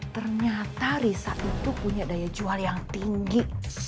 ternyata risa itu punya daya jual yang tinggi